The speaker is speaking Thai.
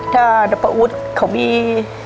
ถ้าแล้วประอุทธิ์เขามี